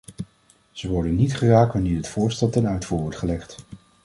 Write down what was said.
Ze worden niet geraakt wanneer dit voorstel ten uitvoer wordt gelegd.